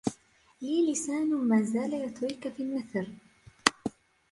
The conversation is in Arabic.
لي لسان ما زال يطريك في النثـر